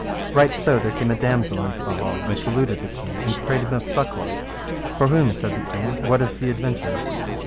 Right so there came a damosel into the hall and saluted the king, and prayed him of succour. For whom? said the king, what is the adventure?